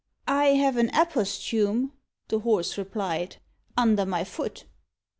"I have an aposthume," the Horse replied, "Under my foot."